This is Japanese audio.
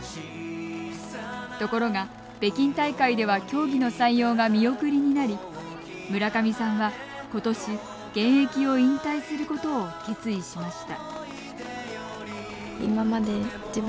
ところが、北京大会では競技の採用が見送りになり村上さんは、ことし現役を引退することを決意しました。